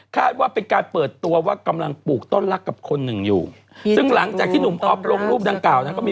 ว่าเป็นการเปิดตัวว่ากำลังปลูกต้นรักกับคนหนึ่งอยู่ซึ่งหลังจากที่หนุ่มอ๊อฟลงรูปดังกล่าวนะก็มี